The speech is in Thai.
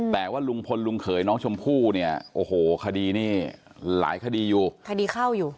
แต่ว่าลุงพลลุงเขยน้องชมพู่เนี่ยโอ้โหคดีนี้หลายคดีอยู่คดีเข้าอยู่